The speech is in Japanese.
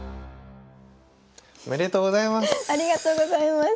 おめでとうございます！